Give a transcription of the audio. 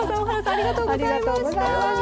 ありがとうございます。